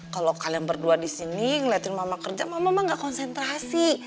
kalau kalian berdua di sini ngeliatin mama kerja mama mama gak konsentrasi